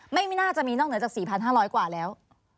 ไม่น่าจะมีนอกเหนือจากสี่พันห้าร้อยกว่าแล้ว